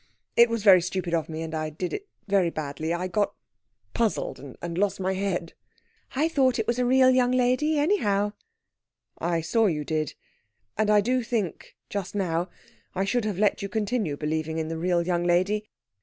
It was very stupid of me, and I did it very badly. I got puzzled, and lost my head." "I thought it was a real young lady, anyhow." "I saw you did. And I do think just now I should have let you continue believing in the real young lady